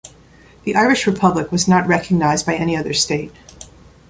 The Irish Republic was not recognised by any other state.